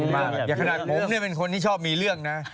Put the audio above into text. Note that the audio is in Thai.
อย่างขนาดผมเนี่ยเป็นคนที่ชอบมีเรื่องนะ